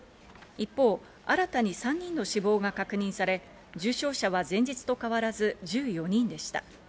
一方、新たに３人の死亡が確認され重症者は前日と変わらず１４人でした。